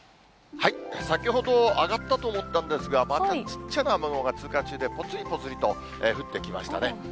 先ほど上がったと思ったんですが、またちっちゃな雨雲が通過中で、ぽつりぽつりと降ってきましたね。